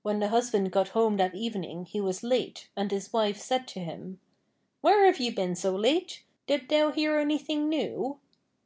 When the husband got home that evening he was late, and his wife said to him: 'Where have you been so late? Did thou hear anything new?'